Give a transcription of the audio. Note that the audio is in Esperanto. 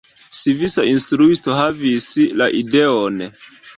Svisa instruisto havis la ideon.